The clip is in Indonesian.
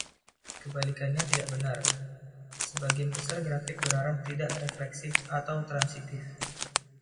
Kebalikannya tidak benar: sebagian besar grafik berarah tidak refleksif atau transitif.